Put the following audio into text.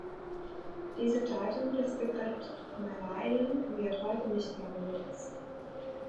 Diese Deutung des Begriffs „Malaien“ wird heute nicht mehr benutzt.